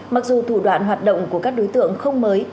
mặc dù thủ đoạn hoạt động của các đối tượng không mới